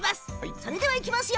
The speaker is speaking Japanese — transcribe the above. それではいきますよ。